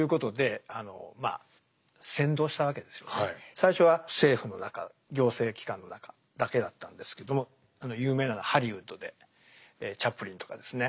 最初は政府の中行政機関の中だけだったんですけども有名なのはハリウッドでチャップリンとかですね